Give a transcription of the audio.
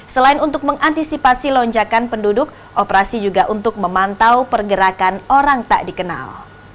selain untuk mengantisipasi lonjakan penduduk operasi juga untuk memantau pergerakan orang tak dikenal